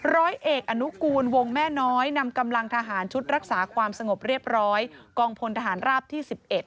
ร้อยเอกอนุกูลวงแม่น้อยนำกำลังทหารชุดรักษาความสงบเรียบร้อยกองพลทหารราบที่๑๑